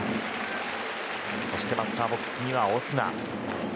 そしてバッターボックスにはオスナ。